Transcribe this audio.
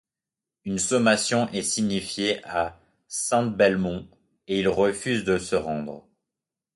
Une sommation est signifiée à Saint-Belmont, et il refuse de se rendre.